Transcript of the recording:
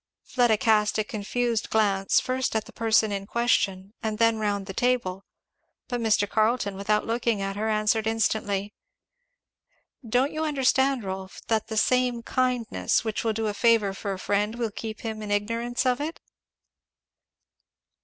Fleda cast a confused glance first at the person in question and then round the table, but Mr. Carleton without looking at her answered instantly, "Don't you understand, Rolf, that the same kindness which will do a favour for a friend will keep him in ignorance of it?"